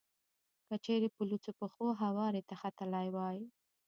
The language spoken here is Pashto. که چېرې په لوڅو پښو هوارې ته ختلی وای.